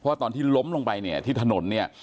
ตอนที่ล้มลงไปเนี่ยที่ถนนเนี่ย